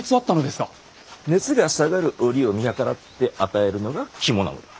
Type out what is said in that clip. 熱が下がる折を見計らって与えるのが肝なのだ。